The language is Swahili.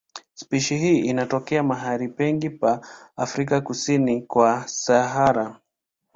Spishi hii inatokea mahali pengi pa Afrika kusini kwa Sahara.